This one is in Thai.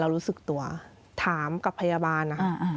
รู้สึกตัวถามกับพยาบาลนะคะ